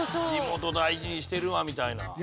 「地元大事にしてるわ」みたいな。